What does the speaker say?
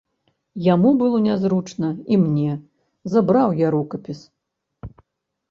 Яму было нязручна і мне, забраў я рукапіс.